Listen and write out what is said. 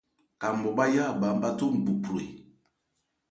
Ka nmɔbháyá a bha ábháthó ngbophro e ?